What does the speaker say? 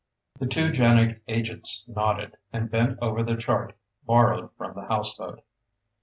The two JANIG agents nodded, and bent over the chart borrowed from the houseboat.